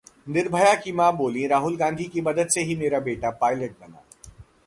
निर्भया की मां बोलीं- राहुल गांधी की मदद से ही मेरा बेटा पायलट बना